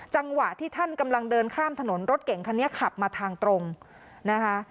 จังหวะที่ท่านกำลังเดินข้ามถนนรถเก่งคันนี้ขับมาทางตรงนะคะ